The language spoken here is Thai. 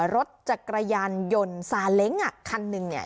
รถจักรยานยนต์ซาเล้งอ่ะคันหนึ่งเนี่ย